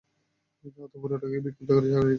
অতঃপর ওটাকে বিক্ষিপ্ত করে সাগরে নিক্ষেপ করবই।